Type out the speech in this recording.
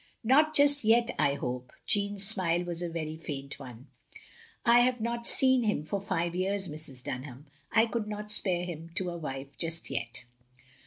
" "Not just yet, I hope," Jeanne's smile was a very faint one. " I have not seen him for five years, Mrs. Dunham. I cotild not spare him to a wife just yet.